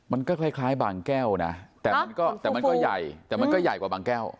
มันก็คล้ายบางแก้วนะแต่มันก็ใหญ่กว่าบางแก้ว